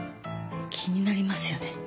気になりますよね。